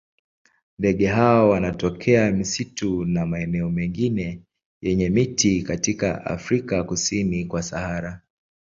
Ndege hawa wanatokea misitu na maeneo mengine yenye miti katika Afrika kusini kwa Sahara.